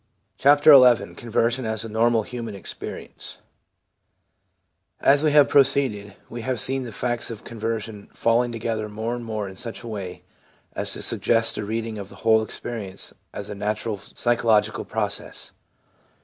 CHAPTER XI CONVERSION AS A NORMAL HUMAN EXPERIENCE As we have proceeded, we have seen the facts of con version falling together more and more in such a way as to suggest a reading of the whole experience as a natural psychological process.